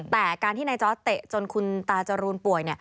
แต่การที่นายจอร์ดเตะจนคุณตาจรูนป่วย